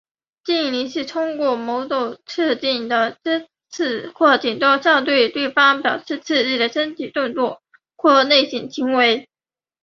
敬礼是通过某种特定的姿势或行动向对方表示致敬的身体动作或类似行为。